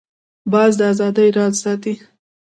باز د آزادۍ راز ساتي